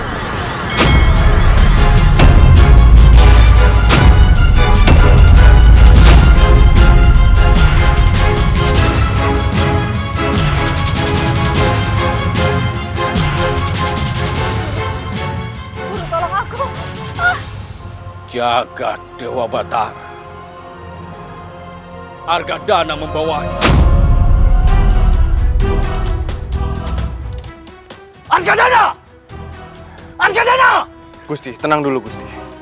satu hari nanti